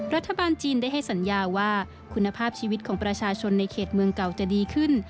รัฐบาลจีนได้ให้สัญญาว่าคุณภาพชีวิตของประชาชนในเขตเมืองเก่าจะดีขึ้น